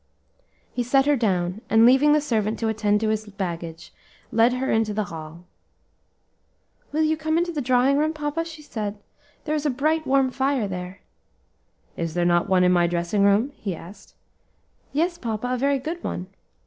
He set her down, and leaving the servant to attend lo his baggage, led her into the hall. "Will you come into the drawing room, papa?" she said; "there is a bright, warm fire there." "Is there not one in my dressing room?" he asked. "Yes, papa, a very good one."